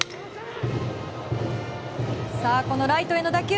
このライトへの打球